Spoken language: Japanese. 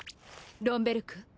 ロン・ベルク